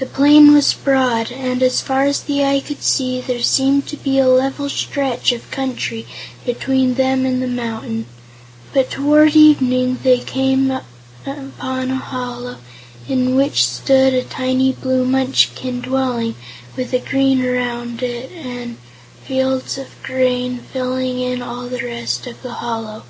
The plain was broad, and as far as the eye could see, there seemed to be a level stretch of country between them and the mountain, but toward evening they came upon a hollow, in which stood a tiny blue Munchkin dwelling with a garden around it and fields of grain filling in all the rest of the hollow.